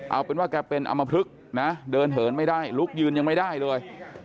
เอาเป็นว่าแกเป็นอำมพลึกนะเดินเหินไม่ได้ลุกยืนยังไม่ได้เลย